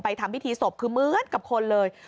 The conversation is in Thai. ทำพิธีศพคือเหมือนกับคนเลย